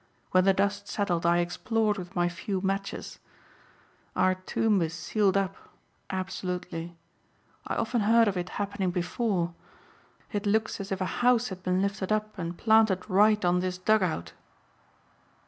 When the dust settled I explored with my few matches. Our tomb is sealed up absolutely. I've often heard of it happening before. It looks as if a house had been lifted up and planted right on this dug out."